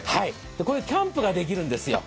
キャンプができるんですよ。